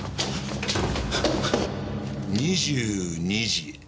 「２２時Ｍ」